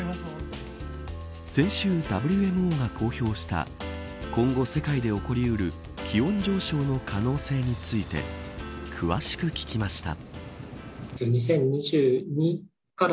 先週、ＷＭＯが公表した今後世界で起こりうる気温上昇の可能性について詳しく聞きました。